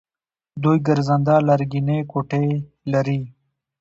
دوی ګرځنده لرګینې کوټې لري.